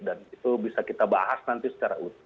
dan itu bisa kita bahas nanti secara utuh